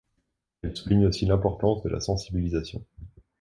Elle souligne aussi l'importance de la sensibilisation.